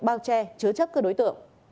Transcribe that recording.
bao che chứa chấp các đối tượng